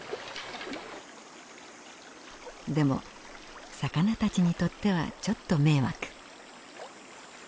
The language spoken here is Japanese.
でも魚たちにとってはちょっと迷惑。